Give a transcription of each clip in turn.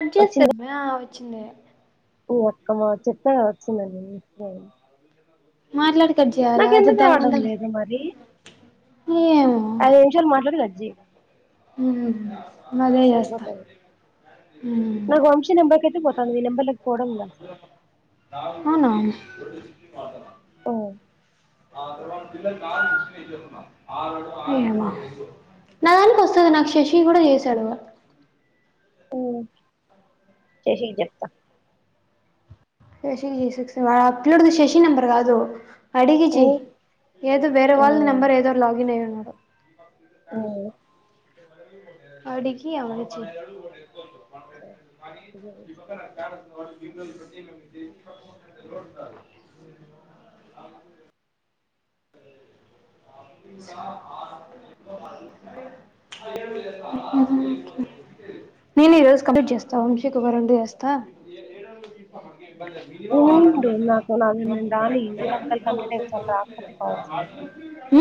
Cut చేస్తే వచ్చింది ఆ వచ్చింది ఓ అక్కమా చెప్పా చిన్నది మాట్లాడే నాకు ఎందుకు రావడం లేదు మరి ఐదు నిమిషాలు మాట్లాడి కట్ చెయ్ హుమ్ అదే చేస్తా సరిపోతది హుమ్ పోతంది నీ నెంబర్ లకి పోవడం లే మాత్ర ఓ ఏమో నా దానికి వస్తది నాకు శశి గుడా చేసాడు హుమ్ శశికి చెప్తా శశి చేసేస్ ఆ ఫీడ్ ది శశి నంబర్ కాదు అడిగి ఆ చెయ్ ఏదో వేరే ఆ వాళ్ళది నంబర్ ఏదో లాగిన్ అయ్యింది ఆ అడికి అవని చెయ్ సరే కా విభ చ చెయ్ నేను ఈ రోజు కంప్లీట్ చేస్తా వంశీకు ఒక రొండు చేస్తా మవ ఆరు ఉండు అడు నాకు నాది నేను రాని మళ్ళీ ఒకవేళ మ వ కంప్లీట్ అయిపోతాను రాకపోతే కాల్స్ హు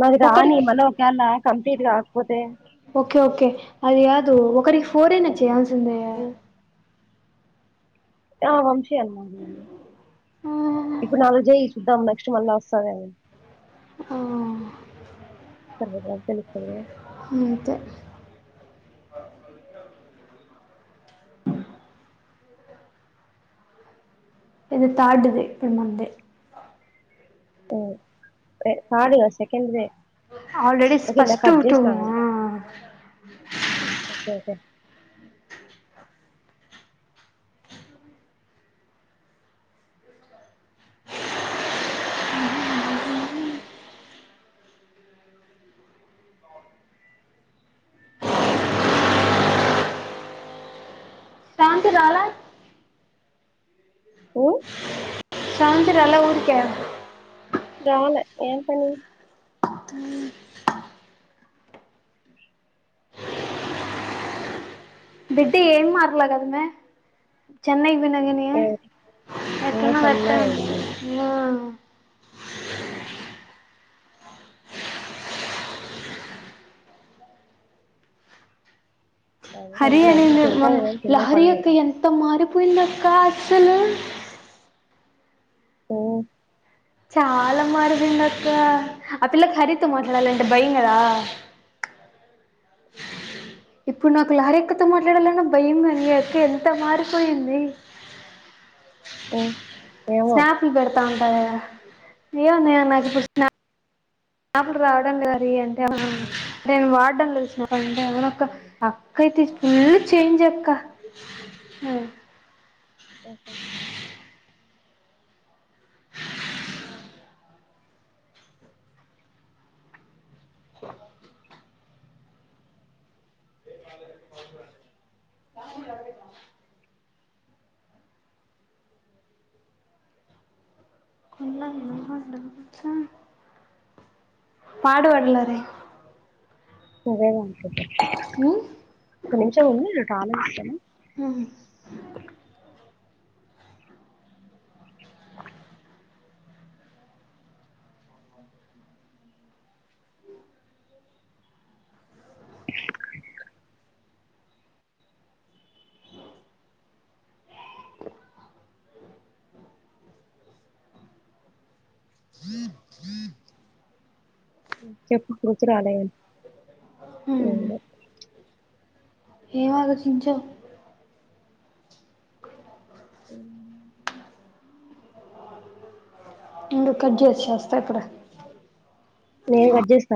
నాది కానీ ఒకరికి మల్లి ఒకవేళ కా టిట్లా ఓకే ఓకే అది కాదు ఒకరికి ఫోర్ అయినా చేయాల్సిందే ఆ ఆ ఇప్పుడు నాలుగు చెయ్ చూద్దాం లే [unintelligible] అ తరుగాదా తెలుతది అంతె ఇది థర్డ్ ది ఇప్పుడు మంది కాద్ ఇగ సెకండ్ దే ఆల్రెడి ఓకే ఇందాక స్పష్ట కట్ వి టు చేసినాము ఓకే ఓకే అంత రాల ఉ సౌంద్ రాలె ఊర్కే గాలే ఏం పని [unintelligible] బిడ్డ ఏం మార్లా కదమే చెన్నై ఇంగ ఎక్కన్నా వెట్ట సన్నగా అయింది ఉ అట్లే హరియాని మ తింటాది కానీ కింద లహరి పడదు ఒక్క ఎంత మారిపోయింద కాసలు ఓ చాలా మారిపోయింది అక్క, ఆ పిల్లకి హరితో మాట్లాడాలంటే భయం కదా ఇప్పుడు నాకు లహరి అక్కతో మాట్లాడాలన్నా భయం, అని అక్క ఎంత మారిపోయింది. ఓ స్నాప్లు పెడతాం ఆ ఏ ఉన్నా నాకు [inaudible] నాపడు రావడం లేరి అంటే నేను వాడడం లేసిన పంట అవునుొ ఒక అక్కయితే ఇళ్ళు చేంజ్ ఎక్క ఓహ కా కొలాంట పాడు పడలారే నువ్వేగా ఒక నిమిషం ఉండి [inaudible] కాల ఉమ్ చెప్పు గుర్తు రాలే ఎంలే ఏం ఆలోచించావ్ ఉండు కట్ చేసి చేస్తా ఇప్పుడే నేను కట్జేస్తా